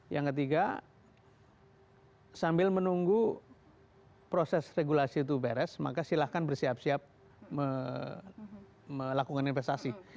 yang ketiga sambil menunggu proses regulasi itu beres maka silahkan bersiap siap melakukan investasi